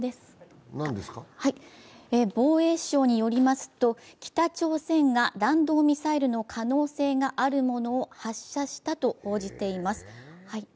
防衛省によりますと、北朝鮮が弾道ミサイルの可能性があるものを発射したと報じています。